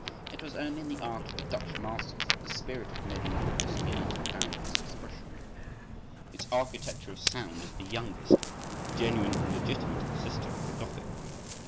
It was only in the art of the Dutch masters that the spirit of mediæval Christianity found its expression—, its architecture of sound is the youngest, but genuine and legitimate, sister of the Gothic.